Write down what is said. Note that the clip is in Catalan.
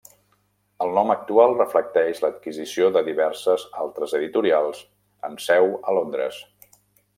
El nom actual reflecteix l'adquisició de diverses altres editorials amb seu a Londres.